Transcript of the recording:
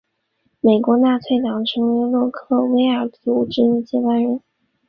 美国纳粹党成为洛克威尔的组织接班人。